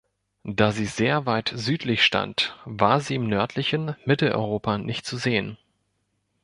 Da sie sehr weit südlich stand, war sie im nördlichen Mitteleuropa nicht zu sehen.